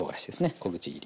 小口切り。